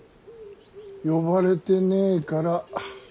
呼ばれてねえから。